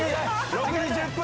６時１０分！